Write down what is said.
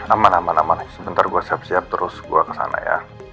aman aman aman sebentar gue siap siap terus gue ke sana ya